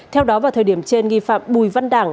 theo đó vào thời điểm trên nghi phạm bùi văn đảng